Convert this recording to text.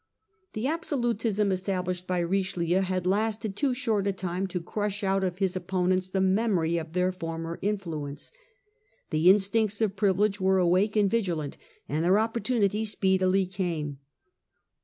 The absolutism established by Richelieu had lasted too short a time to crush out of his opponents the Partial memory of their former influence. The in reacuon. stincts of privilege were awake and vigilant, and their opportunity speedily came.